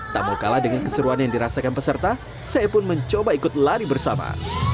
tak mau kalah dengan keseruan yang dirasakan peserta saya pun mencoba ikut lari bersama